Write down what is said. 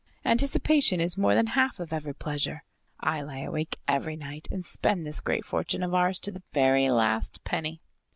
"Anticipation is more than half of every pleasure. I lie awake every night and spend this great fortune of ours to the very last penny."